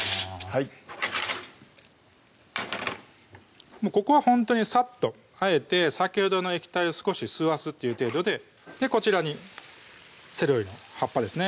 はいここはほんとにさっとあえて先ほどの液体を少し吸わすっていう程度でこちらにセロリの葉っぱですね